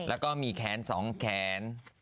แล้วก็มีแขน๒แขน